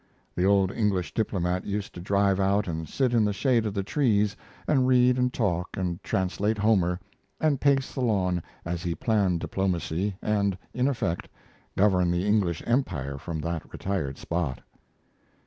The old English diplomat used to drive out and sit in the shade of the trees and read and talk and translate Homer, and pace the lawn as he planned diplomacy, and, in effect, govern the English empire from that retired spot.